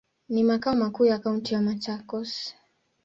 Ni makao makuu ya kaunti ya Machakos.